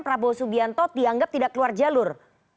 prabowo subianto dianggap tidak keluar jalur